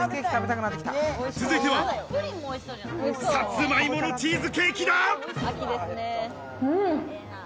続いては、サツマイモのチーズケーキだ。